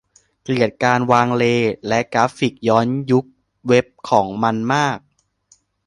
เกลียดการวางเลย์และกราฟิกย้อนยุคเว็บของมันมาก